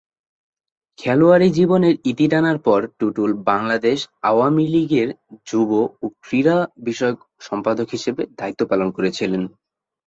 খেলোয়াড়ি জীবনের ইতি টানার পর, টুটুল বাংলাদেশ আওয়ামী লীগের যুব ও ক্রীড়া বিষয়ক সম্পাদক হিসেবে দায়িত্ব পালন করেছিলেন।